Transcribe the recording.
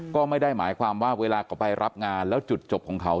ก็ไม่ได้หมายความว่าเวลาเขาไปรับงานแล้วจุดจบของเขา